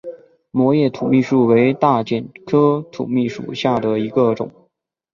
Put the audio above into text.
膜叶土蜜树为大戟科土蜜树属下的一个种。